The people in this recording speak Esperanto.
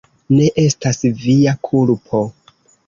Ne estas via kulpo.